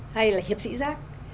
hay là hiệp sĩ rác